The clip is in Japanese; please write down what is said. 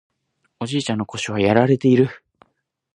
おじいちゃんの腰はやられている